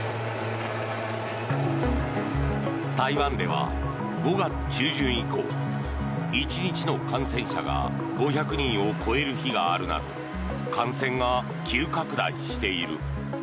台湾では５月中旬以降１日の感染者が５００人を超える日があるなど感染が急拡大している。